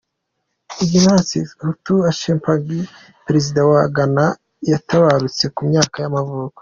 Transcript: Ignatius Kutu Acheampong, perezida wa wa Ghana yaatabarutse, ku myaka y’amavuko.